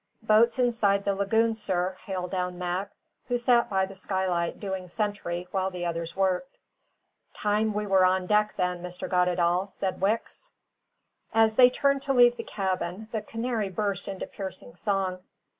"Boat's inside the lagoon, sir," hailed down Mac, who sat by the skylight doing sentry while the others worked. "Time we were on deck, then, Mr. Goddedaal," said Wicks. As they turned to leave the cabin, the canary burst into piercing song.